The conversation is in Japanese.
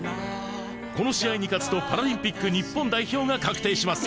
この試合に勝つとパラリンピック日本代表が確定します。